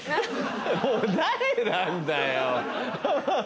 もう誰なんだよハハハ。